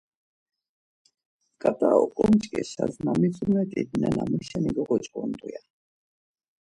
Ǩat̆a oǩomç̌ǩeşas na mitzumet̆it nena muşeni gogoç̌ǩondu ya.